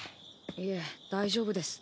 いえ大丈夫です。